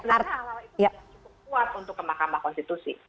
artinya hal hal itu sudah cukup kuat untuk kemakamah konstitusi